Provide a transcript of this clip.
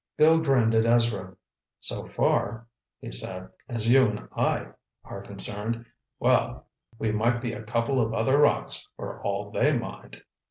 Bill grinned at Ezra. "So far," he said, "as you and I are concerned, well, we might be a couple of other rocks for all they mind!"